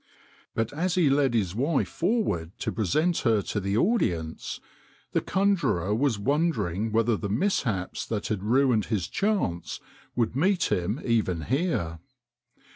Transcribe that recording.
But as he led his wife forward to present her to the audience the con jurer was wondering whether the mishaps that had ruined his chance would meet him even here.